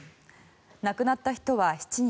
亡くなった人は７人。